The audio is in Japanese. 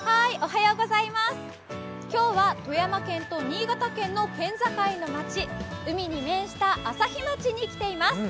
今日は富山県と新潟県の県境の町海に面した朝日町に来ています。